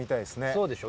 そうでしょ。